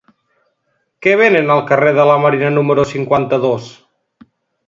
Què venen al carrer de la Marina número cinquanta-dos?